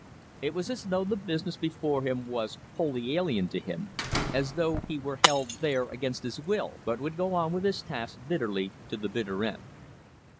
It was as though the business before him was wholly alien to him, as though he were held there against his will, but would go on with his task bitterly to the bitter end.